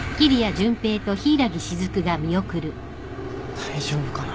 大丈夫かな。